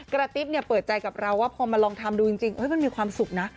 กระติ๊บเปิดใจกับเราว่าพอมาลองทำดูจริงมันมีความสุขนะ